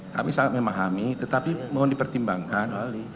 kami sangat memahami tetapi mohon dipertimbangkan